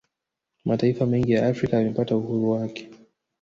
Mataifa mengi ya Afrika yamepata uhuru wake